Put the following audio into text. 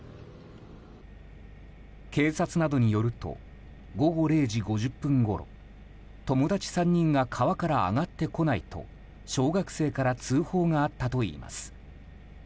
警察などによると午後０時５０分ごろ友達３人が川から上がってこないと小学生から通報があったといいます。